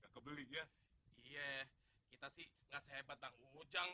kebelinya iya kita sih hebat bang ujang